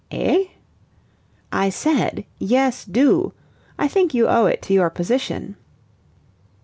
"Eh?" "I said 'Yes, do.' I think you owe it to your position."